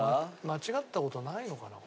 間違った事ないのかな？